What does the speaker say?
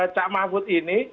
cak mahfud ini